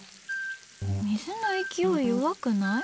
水の勢い弱くない？